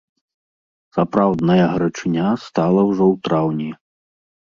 Сапраўдная гарачыня стала ўжо ў траўні.